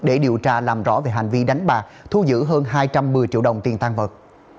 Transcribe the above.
để điều tra làm rõ về hành vi đánh bạc thu giữ hơn hai trăm một mươi triệu đồng tiền tan vật